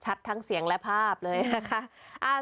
ทั้งเสียงและภาพเลยนะคะ